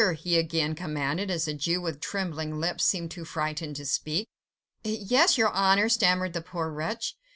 he again commanded, as the Jew with trembling lips seemed too frightened to speak. "Yes, your Honour," stammered the poor wretch.